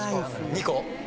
２個。